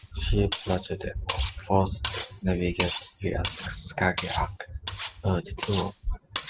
Ships larger than were forced to navigate via Skagerrak, a detour.